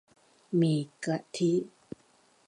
หมี่กะทิ